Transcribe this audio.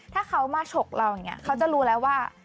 ถ้าเขามาฉกเราอย่างนี้เขาจะรู้แล้วว่า